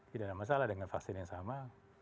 tidak ada masalah dengan vaksin yang sama